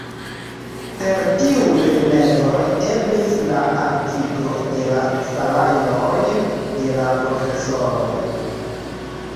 Per tiuj rimedoj eblis la altigo de la salajroj de la profesoroj.